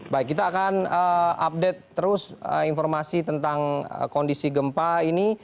baik kita akan update terus informasi tentang kondisi gempa ini